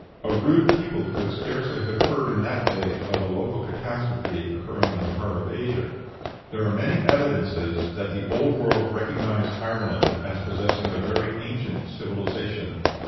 A rude people could scarcely have heard in that day of a local catastrophe occurring in the heart of Asia. There are many evidences that the Old World recognized Ireland as possessing a very ancient civilization.